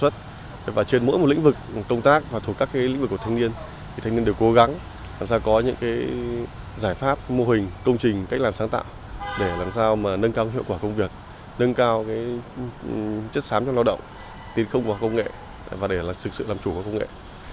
trên mỗi lĩnh vực công tác và thuộc các lĩnh vực của thanh niên thanh niên đều cố gắng làm sao có những giải pháp mô hình công trình cách làm sáng tạo để làm sao nâng cao hiệu quả công việc nâng cao chất sám trong lao động tiến không vào công nghệ và để thực sự làm chủ vào công nghệ